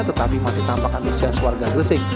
tetapi masih tampak antusias warga gresik